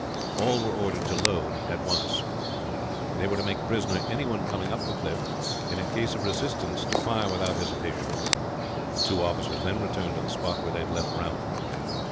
All were ordered to load at once. They were to make prisoner any one coming up the cliff, and in case of resistance to fire without hesitation. The two officers then returned to the spot where they had left Ralph.